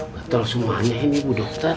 betul semuanya ini bu dokter